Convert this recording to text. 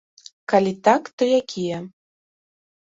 Калі так, то якія?